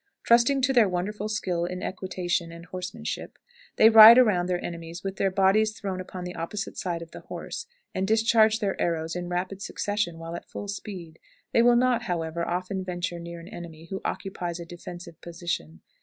Trusting to their wonderful skill in equitation and horsemanship, they ride around their enemies with their bodies thrown upon the opposite side of the horse, and discharge their arrows in rapid succession while at full speed; they will not, however, often venture near an enemy who occupies a defensive position.